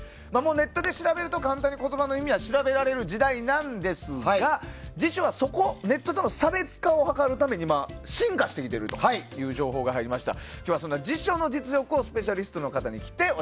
ネットで調べると簡単に言葉の意味は調べられる時代なんですが辞書はネットとの差別化を図るために進化してきているという情報が入りました。